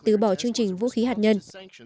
từ bỏ chương trình vũ khí hạt nhân